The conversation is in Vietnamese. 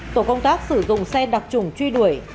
tổ công tác sử dụng xe đặc trùng truy đuổi